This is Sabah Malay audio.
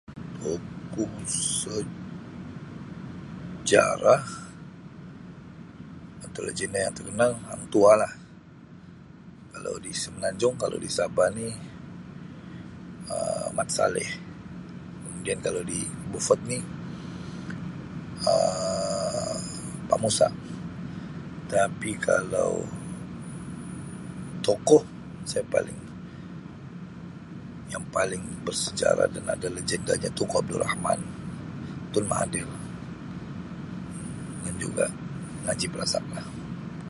Tokoh sejarah atau lagenda yang terkenal Hang Tuah lah kalau di Semenanjung kalau di Sabah ni Um Mat Salleh kemudian kalau di Beaufort ni Um Pa' Musa tapi kalau tokoh saya paling yang paling bersejarah dan ada lagendanya Tunku Abdul Rahman, Tun Mahathir dan juga Najib Razak lah.